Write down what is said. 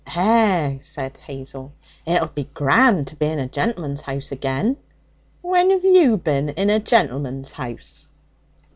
'Eh!' said Hazel, 'it'll be grand to be in a gentleman's house agen!' 'When've you bin in a gentleman's house?'